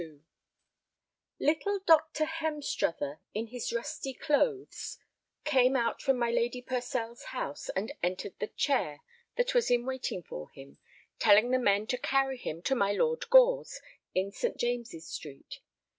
XXXII Little Dr. Hemstruther, in his rusty clothes, came out from my Lady Purcell's house and entered the "chair" that was in waiting for him, telling the men to carry him to my Lord Gore's, in St. James's Street.